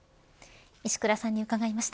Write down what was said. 石倉さんに伺いました。